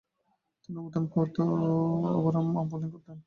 তিনি অনুমোদনকৃত overarm bowling করতেন।